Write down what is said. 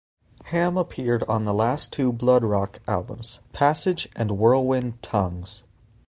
Ham appeared on the last two Bloodrock albums: "Passage" and "Whirlwind Tongues".